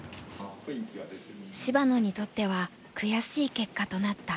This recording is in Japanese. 芝野にとっては悔しい結果となった。